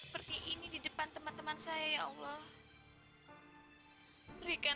sampai jumpa di video selanjutnya